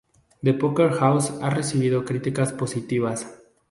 The Poker House ha recibido críticas positivas.